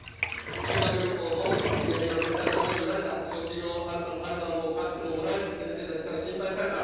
修学旅行もお土産をだめと言われた、卒業アルバムを買ってももらえず、先生たちから心配された。